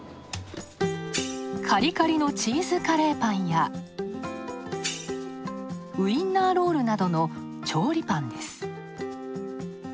カリカリのチーズカレーパンやウインナーロールなどの調理パンです。